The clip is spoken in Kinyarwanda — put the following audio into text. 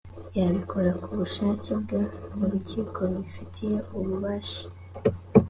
yabikora ku bushake bwe mu rukiko rubifitiye ububasha